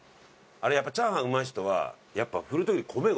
あれやっぱチャーハンうまい人はやっぱ。